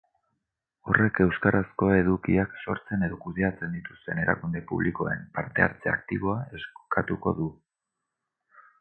Horrek euskarazko edukiak sortzen edo kudeatzen dituzten erakunde publikoen parte-hartze aktiboa eskatuko du.